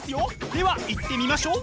では行ってみましょう。